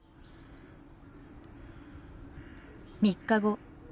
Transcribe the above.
３日後。